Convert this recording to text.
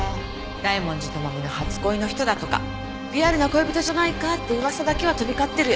大文字智美の初恋の人だとかリアルな恋人じゃないかって噂だけは飛び交ってる。